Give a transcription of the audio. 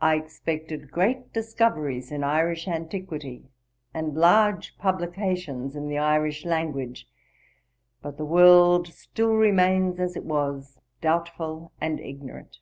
I expected great discoveries in Irish antiquity, and large publications in the Irish language; but the world still remains at it was, doubtful and ignorant.